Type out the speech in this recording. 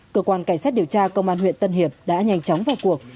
cơ quan cảnh sát điều tra công an huyện tân hiệp đã nhanh chóng vào cuộc